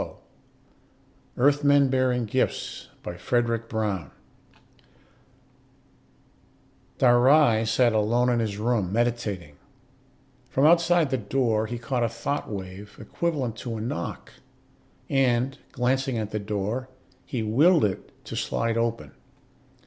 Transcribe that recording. EARTHMEN BEARING GIFTS By FREDRIC BROWN Illustrated by CARTER Dhar Ry sat alone in his room, meditating. From outside the door he caught a thought wave equivalent to a knock, and, glancing at the door, he willed it to slide open.